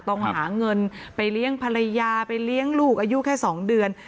ต้องหาเงินไปเลี้ยงภรรยาไปเลี้ยงลูกอายุแค่๒เดือน